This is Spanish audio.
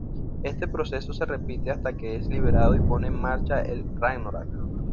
Este proceso se repite hasta que es liberado y pone en marcha el Ragnarök.